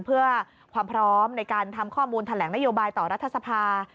เพื่อความพร้อมในการทำข้อมูลแถลงนโยบายต่อรัฐสภา